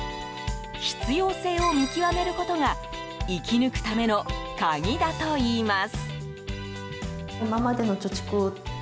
必要性を見極めることが生き抜くための鍵だといいます。